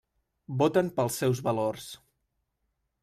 Voten pels seus valors.